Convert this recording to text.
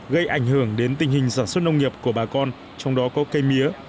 gây ảnh hưởng đến tình hình sản xuất nông nghiệp của bà con trong đó có cây mía